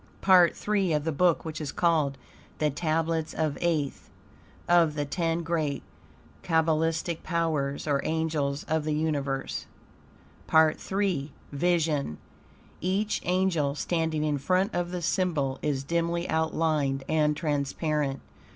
PART III of The Book which is called THE TABLETS OF AETH OF THE TEN GREAT KABBALISTICAL POWERS or ANGELS OF THE UNIVERSE PART III VISION Each angel standing in front of the symbol is dimly outlined and transparent.